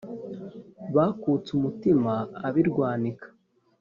bakutse umutima ab'i rwanika